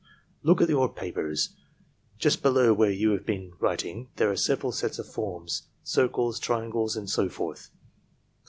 "Look at your papers. Just below where you have been writing, there are several sets of forms—circles, triangles, and so forth.